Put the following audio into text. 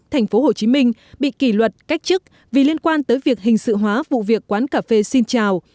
thành phố hồ chí minh bị kỷ luật cách chức vì liên quan tới việc hình sự hóa vụ việc quán cà phê xin chào